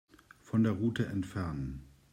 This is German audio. Von der Route entfernen.